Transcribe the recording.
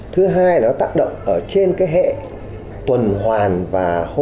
thứ hai là nó tác động ở trên cái hệ tuần hoàn và hồi hộp